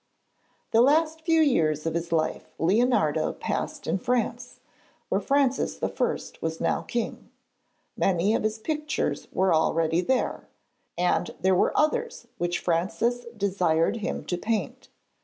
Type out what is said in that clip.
The last few years of his life Leonardo passed in France, where Francis I. was now king. Many of his pictures were already there, and there were others which Francis desired him to paint.